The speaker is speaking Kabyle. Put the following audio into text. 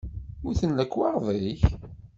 Mmuten lekwaɣeḍ-ik?